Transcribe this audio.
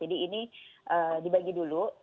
jadi ini dibagi dulu